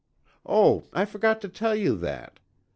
"Oh, I forgot to tell you that.